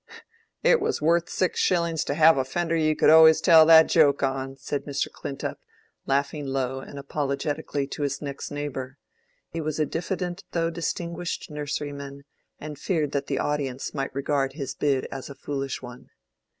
"It was worth six shillings to have a fender you could always tell that joke on," said Mr. Clintup, laughing low and apologetically to his next neighbor. He was a diffident though distinguished nurseryman, and feared that the audience might regard his bid as a foolish one.